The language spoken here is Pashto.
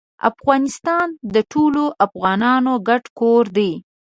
افغانستان د ټولو افغانانو ګډ کور دی.